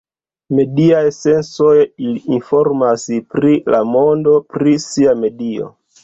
Mediaj sensoj, ili informas pri la mondo; pri sia medio.